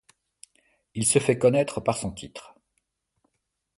Il se fait connaître par son titre '.